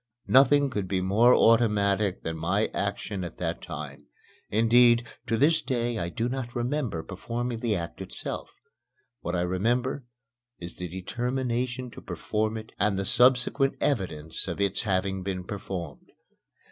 Nothing could be more automatic than my action at that time; indeed, to this day I do not remember performing the act itself. What I remember is the determination to perform it and the subsequent evidence of its having been performed.